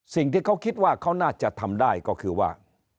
สิ่งที่เขาคิดว่าเขาน่าจะทำได้ก็คือว่า